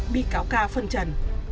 bị cáo ca phân trần